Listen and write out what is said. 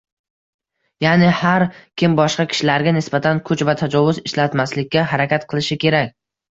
ya’ni har kim boshqa kishilarga nisbatan kuch va tajovuz ishlatmaslikka harakat qilishi kerak.